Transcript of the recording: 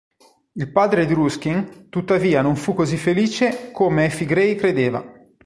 Il padre di Ruskin, tuttavia non fu così felice comme Effie Gray credeva.